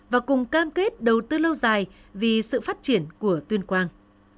và cùng cam kết đầu tư lâu dài vì sự phát triển của tuyên quang